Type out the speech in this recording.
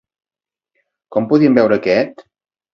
Com podien veure aquest?